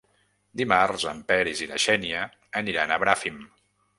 Dimarts en Peris i na Xènia aniran a Bràfim.